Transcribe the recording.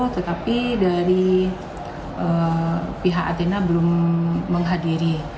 tetapi dari pihak athena belum menghadiri